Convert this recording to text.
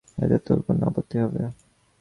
এতে তোর কোনো আপত্তি হবে?